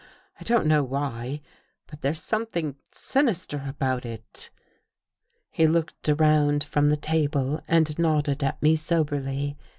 I don't know why, but there's something sinister about It." He looked around from the table and nodded at me soberly.